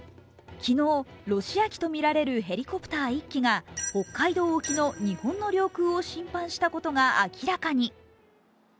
昨日、ロシア機とみられるヘリコプター１機が北海道沖の日本の領空を侵犯したことが明らかに。